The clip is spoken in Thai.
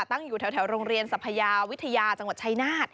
ตั้งอยู่แถวโรงเรียนสัพยาวิทยาจังหวัดชายนาฏ